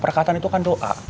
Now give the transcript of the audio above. perkataan itu kan doa